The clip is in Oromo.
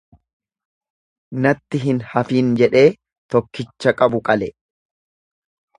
Natti hin hafiin jedhee tokkicha qabu qale.